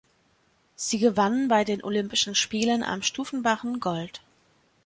Sie gewann bei den Olympischen Spielen am Stufenbarren Gold.